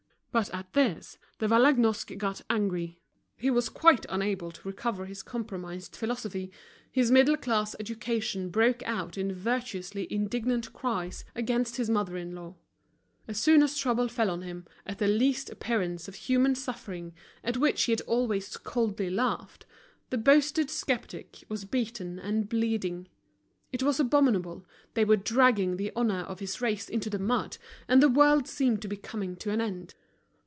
But at this De Vallagnosc got angry: he was quite unable to recover his compromised philosophy, his middle class education broke out in virtuously indignant cries against his mother in law. As soon as trouble fell on him, at the least appearance of human suffering, at which he had always coldly laughed, the boasted skeptic was beaten and bleeding. It was abominable, they were dragging the honor of his race into the mud, and the world seemed to be coming to an end.